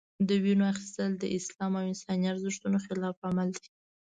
د وینو اخیستل د اسلام او انساني ارزښتونو خلاف عمل دی.